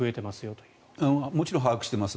もちろん把握しています。